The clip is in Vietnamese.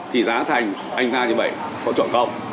thì giá thành anh ta như vậy có chọn không